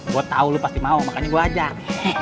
gue tau lo pasti mau makanya gue ajak